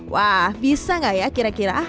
wah bisa nggak ya kira kira